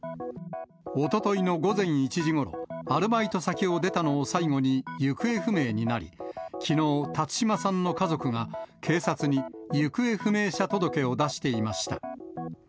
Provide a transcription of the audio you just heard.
おとといの午前１時ごろ、アルバイト先を出たのを最後に、行方不明になり、きのう、辰島さんの家族が警察に行方不明者届を出していました。